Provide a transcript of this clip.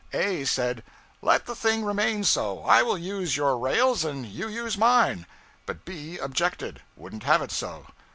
A said, 'Let the thing remain so; I will use your rails, and you use mine.' But B objected wouldn't have it so.